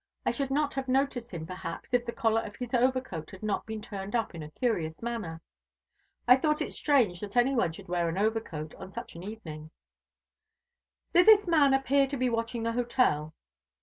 I should not have noticed him, perhaps, if the collar of his overcoat had not been turned up in a curious manner. I thought it strange that any one should wear an overcoat on such an evening." "Did this man appear to be watching the hotel?"